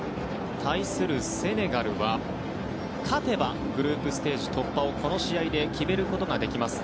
対するセネガルは勝てばグループステージ突破をこの試合で決めることができます。